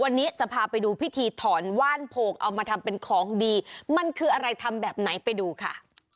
วันนี้จะพาไปดูพิธีถอนว่านโผงเอามาทำเป็นของดีมันคืออะไรทำแบบไหนไปดูค่ะ